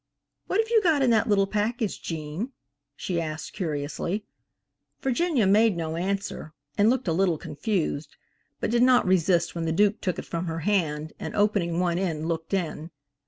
"What have you got in that little package, Gene?" she asked curiously. Virginia made no answer and looked a little confused, but did not resist when the Duke took it from her hand, and opening one end looked in.